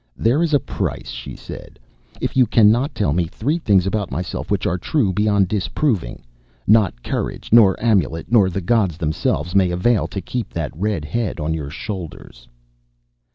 "There is a price," she said. "If you cannot tell me three things about myself which are true beyond disproving, not courage nor amulet nor the gods themselves may avail to keep that red head on your shoulders."